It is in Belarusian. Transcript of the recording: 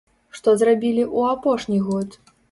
Што зрабілі ў апошні год?